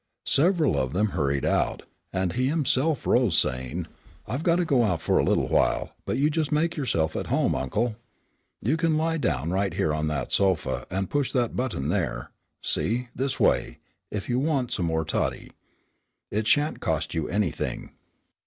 Several of them hurried out, and he himself arose, saying: "I've got to go out for a little while, but you just make yourself at home, uncle. You can lie down right there on that sofa and push that button there see, this way if you want some more toddy. It shan't cost you anything."